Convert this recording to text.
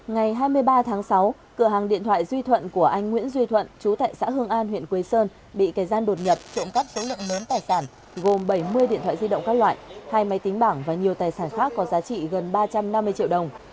ngày hai mươi ba tháng sáu cửa hàng điện thoại duy thuận của anh nguyễn duy thuận chú tại xã hương an huyện quế sơn bị kẻ gian đột nhập trộm cắp số lượng lớn tài sản gồm bảy mươi điện thoại di động các loại hai máy tính bảng và nhiều tài sản khác có giá trị gần ba trăm năm mươi triệu đồng